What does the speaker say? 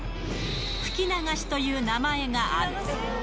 吹き流しという名前がある。